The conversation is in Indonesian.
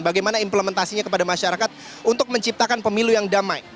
bagaimana implementasinya kepada masyarakat untuk menciptakan pemilu yang damai